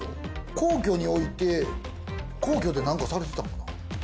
皇居において、皇居で何かされてたんかな？